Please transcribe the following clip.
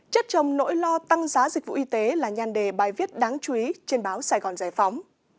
chất trồng nỗi lo tăng giá dịch vụ y tế là nhan đề bài viết đáng chú ý trên báo sài gòn giải phóng